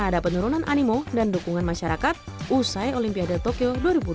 ada penurunan animo dan dukungan masyarakat usai olimpiade tokyo dua ribu dua puluh